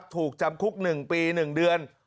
ถูกจำคุก๑ปี๑เดือน